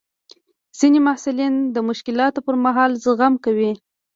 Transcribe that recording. ځینې محصلین د مشکلاتو پر مهال زغم کوي.